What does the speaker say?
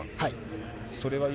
はい。